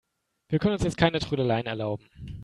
Wir können uns jetzt keine Trödeleien erlauben.